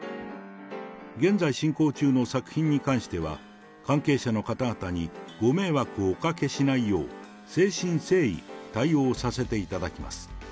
現在進行中の作品に関しては、関係者の方々にご迷惑をおかけしないよう、誠心誠意対応させていただきます。